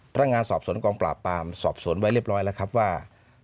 พนักงานสอบสวนกองปราบปามสอบสวนไว้เรียบร้อยแล้วครับว่า